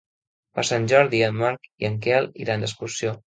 Per Sant Jordi en Marc i en Quel iran d'excursió.